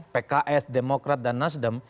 pks demokrat dan nasdem